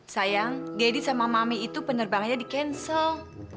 sayang deddy sama mami itu penerbangannya di cancel